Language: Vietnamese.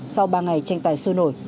sau ba ngày tranh tài sôi nổi